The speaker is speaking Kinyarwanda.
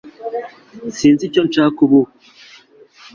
Sinzi icyo nshaka ubu